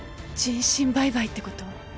人身売買ってこと？